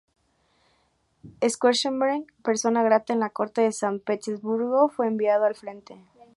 Schwarzenberg, persona grata en la corte de San Petersburgo, fue enviado al frente.